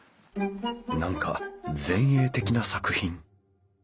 何か前衛的な作品。